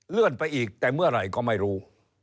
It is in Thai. ไปอีกแต่เมื่อไหร่ก็ไม่รู้